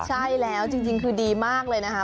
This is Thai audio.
ใช่แล้วจริงคือดีมากเลยนะคะ